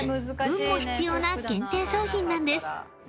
運も必要な限定商品なんです］